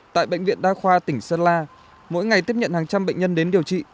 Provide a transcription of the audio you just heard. tại bệnh viện đa khoa tỉnh sơn la mỗi ngày tiếp nhận hàng trăm bệnh nhân đến điều trị